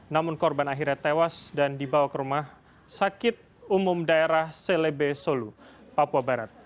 namun korban akhirnya tewas dan dibawa ke rumah sakit umum daerah selebe solo papua barat